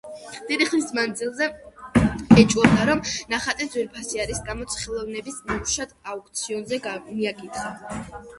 დიდი ხნის მანძილზე ეჭვობდა, რომ ნახატი ძვირფასია, რის გამოც ხელოვნების ნიმუშთა აუქციონს მიაკითხა.